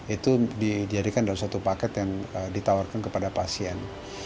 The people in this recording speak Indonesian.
itu dijadikan dalam satu paket yang ditawarkan kepada pasien